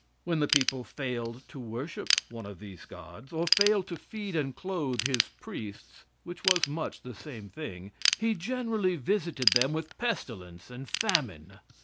When the people failed to worship one of these gods, or failed to feed and clothe his priests, (which was much the same thing,) he generally visited them with pestilence and famine.